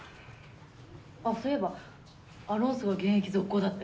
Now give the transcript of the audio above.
あっそういえばアロンソが現役続行だって。